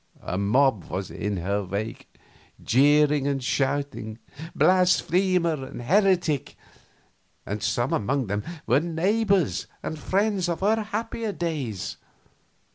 A mob was in her wake, jeering and shouting, "Blasphemer and heretic!" and some among them were neighbors and friends of her happier days.